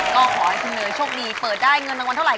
ก็ขอให้คุณเนยโชคดีเปิดได้เงินรางวัลเท่าไห